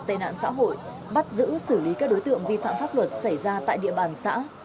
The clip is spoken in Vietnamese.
tệ nạn xã hội bắt giữ xử lý các đối tượng vi phạm pháp luật xảy ra tại địa bàn xã